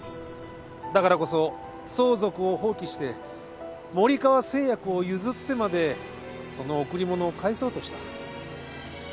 だからこそ相続を放棄して森川製薬を譲ってまでその贈り物を返そうとした。